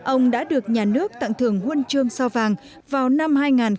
ông đã được nhà nước tặng thường huân chương sao vàng vào năm hai nghìn chín